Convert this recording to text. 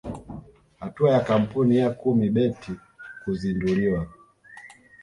Hatua ya kampuni ya kumi bet kuzinduliwa